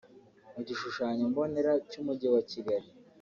Mu gishushanyombonera cy’Umujyi wa Kigali